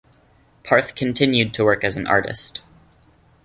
Parth continued to work as an artist.